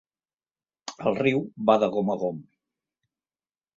El riu va de gom a gom.